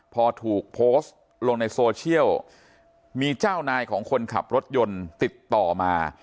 พอถูกโพสต์ลงในโซเชียลมีเจ้านายของคนขับรถยนต์ติดต่อมา